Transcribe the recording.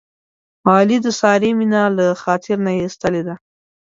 علي د سارې مینه له خاطر نه ایستلې ده.